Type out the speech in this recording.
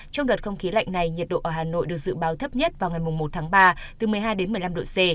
trong đợt không khí lạnh này nhiệt độ ở hà nội được dự báo thấp nhất vào ngày một tháng ba từ một mươi hai đến một mươi năm độ c